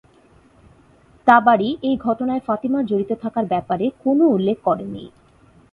তাবারি এই ঘটনায় ফাতিমার জড়িত থাকার ব্যাপারে কোনও উল্লেখ করেননি।